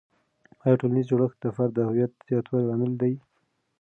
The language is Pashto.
آیا ټولنیز جوړښت د فرد د هویت زیاتوالي لامل دی؟